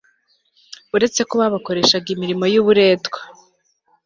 uretse ko babakoreshaga imirimo y'uburetwa